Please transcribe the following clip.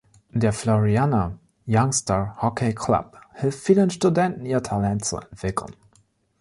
Der Floriana Youngstar Hockey Club hilft vielen Studenten, ihr Talent zu entwickeln.